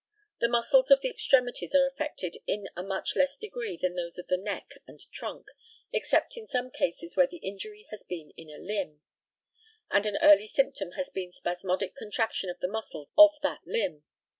The muscles of the extremities are affected in a much less degree than those of the neck and trunk, except in some cases where the injury has been in a limb, and an early symptom has been spasmodic contraction of the muscles of that limb.